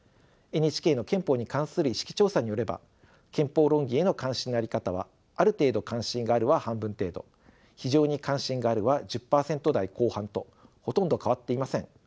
ＮＨＫの憲法に関する意識調査によれば憲法論議への関心の在り方は「ある程度関心がある」は半分程度「非常に関心がある」は１０％台後半とほとんど変わっていません。